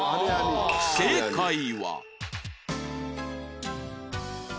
正解は